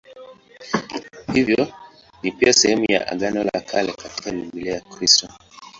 Hivyo ni pia sehemu ya Agano la Kale katika Biblia ya Kikristo.